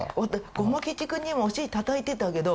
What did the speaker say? ごま吉くんにもお尻たたいてたけど。